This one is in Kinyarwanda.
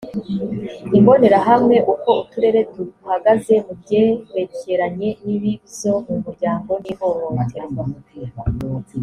imbonerahamwe uko uturere duhagaze mu byerekeranye n ibibzo mu miryango n ihohoterwa